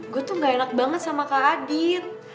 gue tuh gak enak banget sama kak adit